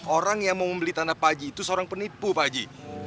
orang yang mau membeli tanah pak haji itu seorang penipu pak haji